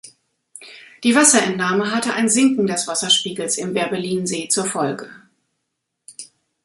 Die Wasserentnahme hatte ein Sinken des Wasserspiegels im Werbellinsee zur Folge.